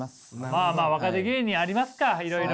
まあまあ若手芸人ありますかいろいろ。